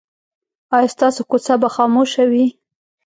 ایا ستاسو کوڅه به خاموشه وي؟